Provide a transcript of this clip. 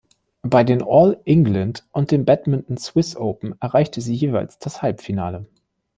Bei den All England und den Badminton Swiss Open erreichte sie jeweils das Halbfinale.